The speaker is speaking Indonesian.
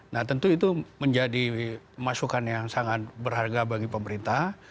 nah tentu itu menjadi masukan yang sangat berharga bagi pemerintah